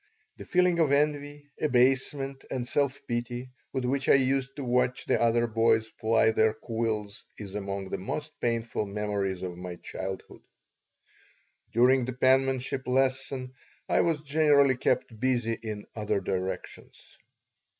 The feeling of envy, abasement, and self pity with which I used to watch the other boys ply their quills is among the most painful memories of my childhood During the penmanship lesson I was generally kept busy in other directions.